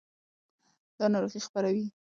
دا ناروغۍ خپروي.